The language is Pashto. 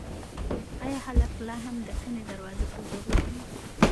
ایا هلک لا هم د خونې دروازه په زور وهي؟